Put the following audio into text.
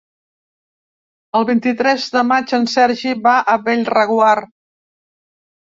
El vint-i-tres de maig en Sergi va a Bellreguard.